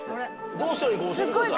どうすればいいか教えてください。